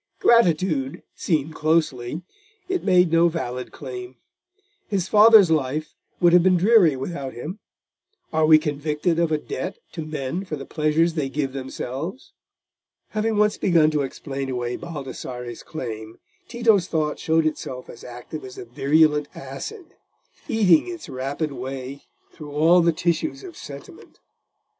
Gratitude! seen closely, it made no valid claim: his father's life would have been dreary without him: are we convicted of a debt to men for the pleasures they give themselves? Having once begun to explain away Baldassarre's claim, Tito's thought showed itself as active as a virulent acid, eating its rapid way through all the tissues of sentiment.